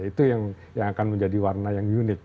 itu yang akan menjadi warna yang unik